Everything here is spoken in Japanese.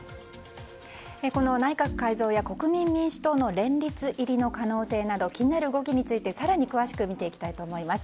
この内閣改造や国民民主党の連立入りの可能性など気になる動きについて更に詳しく見ていきたいと思います。